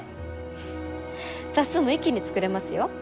フッ冊数も一気に作れますよ。